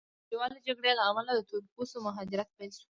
د دویمې نړیوالې جګړې له امله د تور پوستو مهاجرت پیل شو.